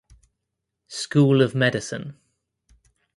School of Medicine.